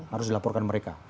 harus dilaporkan mereka